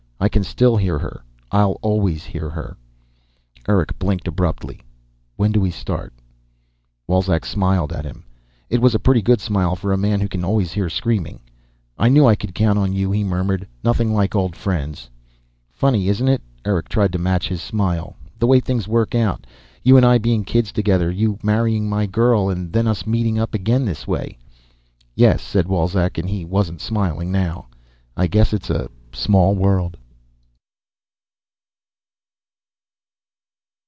"I can still hear her. I'll always hear her." "Yes." Eric blinked abruptly. "When do we start?" Wolzek smiled at him. It was a pretty good smile for a man who can always hear screaming. "I knew I could count on you," he murmured. "Nothing like old friends." "Funny, isn't it?" Eric tried to match his smile. "The way things work out. You and I being kids together. You marrying my girl. And then, us meeting up again this way." "Yes," said Wolzek, and he wasn't smiling now. "I guess it's a small world."